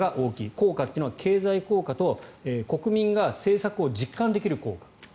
効果というのは経済効果と国民が政策を実感できる効果。